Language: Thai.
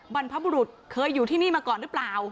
บรรพบุรุษเคยอยู่ที่นี่มาก่อนหรือเปล่า